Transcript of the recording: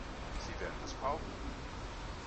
Sie werden es brauchen.